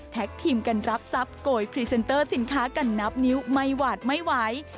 ทีมกันรับทรัพย์โกยพรีเซนเตอร์สินค้ากันนับนิ้วไม่หวาดไม่ไหว